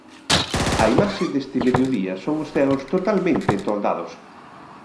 A imaxe deste mediodía son os ceos totalmente toldados.